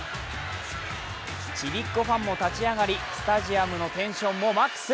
ちびっ子ファンも立ち上がりスタジアムのテンションもマックス。